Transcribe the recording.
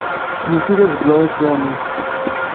Mačči d azeggaɣ i d tiɣmi-k.